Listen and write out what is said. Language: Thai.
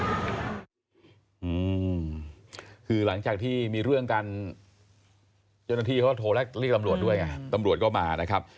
อืมคือหลังจากที่มีเรื่องการยนตรีเขาโทรและเรียกตำรวจด้วยตำรวจก็มานะครับ